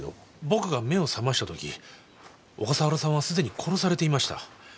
僕が目を覚ましたとき小笠原さんはすでに殺されていました。